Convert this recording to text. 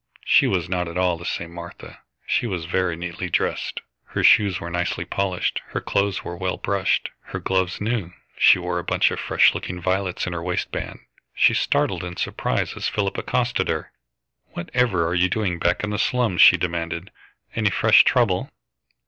She was not at all the same Martha. She was very neatly dressed, her shoes were nicely polished, her clothes well brushed, her gloves new, and she wore a bunch of fresh looking violets in her waistband. She started in surprise as Philip accosted her. "Whatever are you doing back in the slums?" she demanded. "Any fresh trouble?"